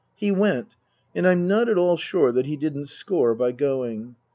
He went, and I'm not at all sure that he didn't score by going.